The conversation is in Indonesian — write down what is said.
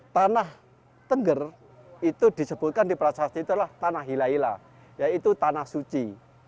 tanah tengger itu disebutkan di prasasti itu adalah tanah hilaila yaitu tanah suci